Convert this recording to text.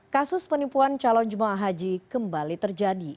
kasus penipuan calon jemaah haji kembali terjadi